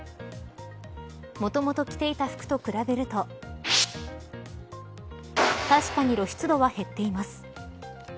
もともと着ていた服と比べると確かに露出度は減っています。